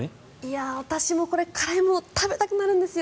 私もこれ、辛いもの食べたくなるんですよ。